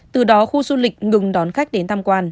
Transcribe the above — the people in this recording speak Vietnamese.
từ đó khu du lịch ngừng đón khách đến tham quan